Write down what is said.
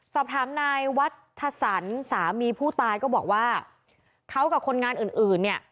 สอบถามนายวัดถสรรสามีผู้ตายก็บอกว่าเขากับคนงานอื่น